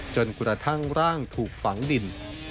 จนกระทั่งร่างถูกฝังดิน